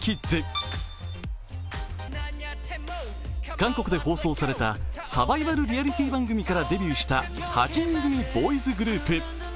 韓国で放送されたサバイバル・リアリティ番組からデビューした８人組ボーイズグループ。